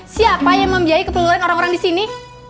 siapa yang membiayai keperluan orang orang disini